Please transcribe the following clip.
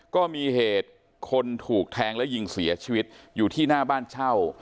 ก็มีเหตุคนถูกแทงและยิงเสียชีวิตอยู่ที่หน้าบ้านเช่า